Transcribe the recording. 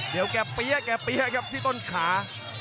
เดี๋ยวแกเปี๊ยะแกเปี๊ยะครับที่ต้นขา